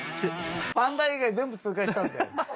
「パンダ」以外全部通過したんだよ。